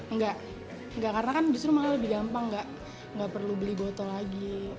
enggak karena kan justru makanya lebih gampang enggak perlu beli botol lagi